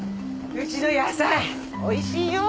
うちの野菜美味しいよ。